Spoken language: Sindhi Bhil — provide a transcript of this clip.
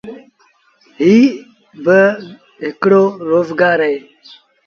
ايٚ با هڪڙو روزگآر اهي۔